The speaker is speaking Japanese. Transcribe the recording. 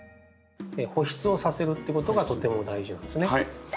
保湿をさせるっていうことがとても大事なんですね。